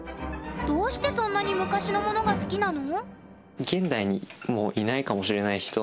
どうしてそんなに昔のものが好きなの？